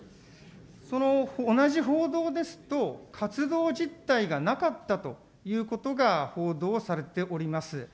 その同じ報道ですと、活動実態がなかったということが報道されております。